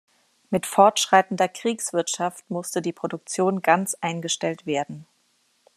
Mit fortschreitender Kriegswirtschaft musste die Produktion ganz eingestellt werden.